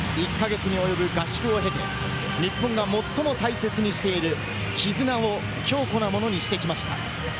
１か月に及ぶ合宿を経て、日本が最も大切にしている絆を強固なものにしてきました。